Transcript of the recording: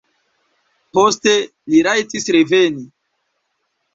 Poste li rajtis reveni.